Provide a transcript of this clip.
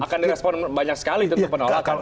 akan direspon banyak sekali tentu penolakan